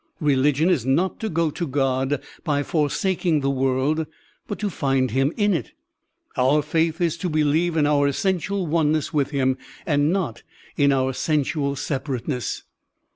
Religion is not to go to God by forsaking the world, but to find him in it. Our faith is to believe in our essential oneness with him, and not in otir sensual separateness.